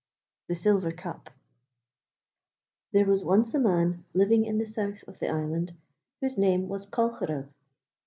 THE SILVER CUP There was once a man living in the south of the island whose name was Colcheragh.